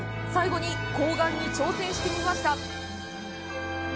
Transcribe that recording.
最後に、睾丸に挑戦してみました。